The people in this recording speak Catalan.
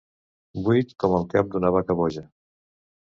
Buit com el cap d'una vaca boja.